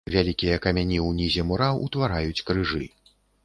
Вялікія камяні ўнізе мура ўтвараюць крыжы.